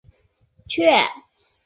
却也衣食无虑